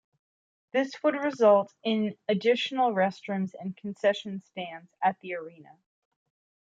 This would result in additional restrooms and concession stands at the arena.